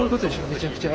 めちゃくちゃ。